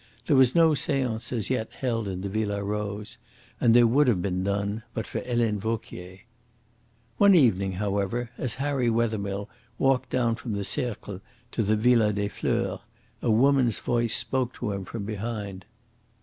There was no seance as yet held in the Villa Rose. And there would have been none but for Helene Vauquier. One evening, however, as Harry Wethermill walked down from the Cercle to the Villa des Fleurs, a woman's voice spoke to him from behind.